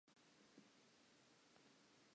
Mabitso le mahokedi a sebetsa mmoho.